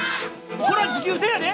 こら持久戦やで！